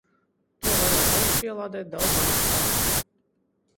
To varēs augšupielādēt daudz ātrāk.